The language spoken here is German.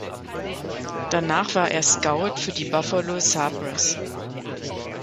Danach war er Scout für die Buffalo Sabres.